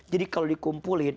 jadi kalau dikumpulin